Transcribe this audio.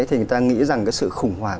thì người ta nghĩ rằng cái sự khủng hoảng